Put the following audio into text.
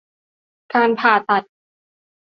การผ่าตัด